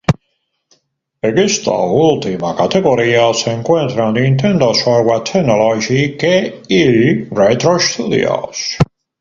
En esta última categoría se encuentran Nintendo Software Technology, iQue y Retro Studios.